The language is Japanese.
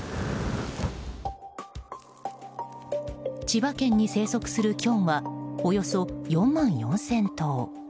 千葉県に生息するキョンはおよそ４万４０００頭。